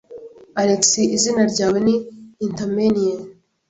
Alex izina ryawe ni Interminei